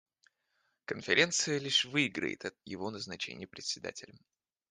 Конференция лишь выиграет от его назначения Председателем.